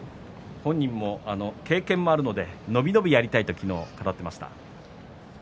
本人も経験があるので伸び伸びやりたいと言っていました。